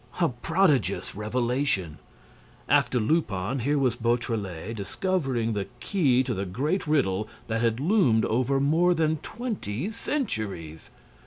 A prodigious revelation! After Lupin, here was Beautrelet discovering the key to the great riddle that had loomed over more than twenty centuries!